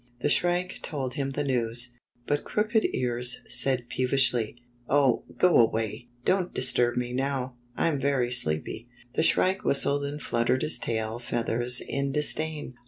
The Shrike told him the news, but Crooked Ears said peevishly: "Oh, go away! Don't dis turb me now. I'm very sleepy." The Shrike whistled and fluttered his tail feathers in disdain.